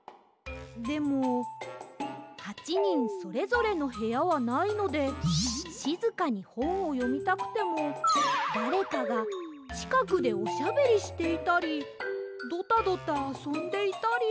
でも８にんそれぞれのへやはないのでしずかにほんをよみたくてもだれかがちかくでおしゃべりしていたりドタドタあそんでいたり。